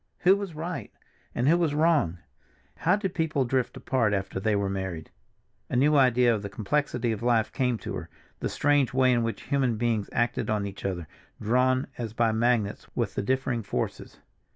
Who was right, and who was wrong? How did people drift apart after they were married? A new idea of the complexity of life came to her, the strange way in which human beings acted on each other, drawn, as by magnets, with the differing forces.